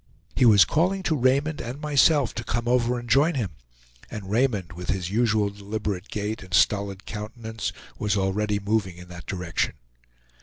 He was calling to Raymond and myself to come over and join him, and Raymond, with his usual deliberate gait and stolid countenance, was already moving in that direction.